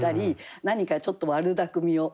何かちょっと悪だくみを。